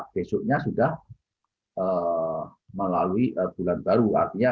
besoknya sudah melalui bulan baru